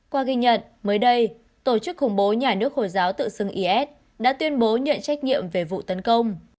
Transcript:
qua ghi nhận mới đây tổ chức khủng bố nhà nước hồi giáo tự xưng is đã tuyên bố nhận trách nhiệm về vụ tấn công